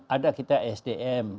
ada kita sdm